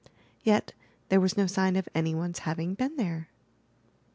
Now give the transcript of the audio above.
Yet there was no sign of any one*s having been there.